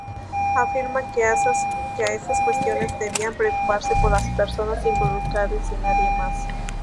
Afirma que esas cuestiones debían preocupar a las personas involucradas, y nadie más.